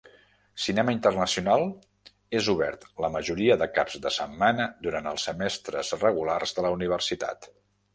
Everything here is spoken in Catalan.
Cinema International és obert la majoria de caps de setmana durant els semestres regulars de la universitat.